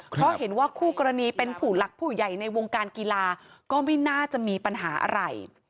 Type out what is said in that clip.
เพราะเห็นว่าคู่กรณีเป็นผู้หลักผู้ใหญ่ในวงการกีฬาก็ไม่น่าจะมีปัญหาอะไร